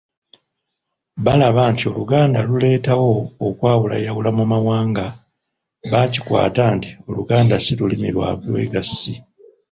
Balaba nti Oluganda luleetawo okwawulayawula mu mawanga. Baakitwala nti Oluganda si Lulimi lwa bwegassi.